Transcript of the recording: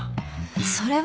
それは。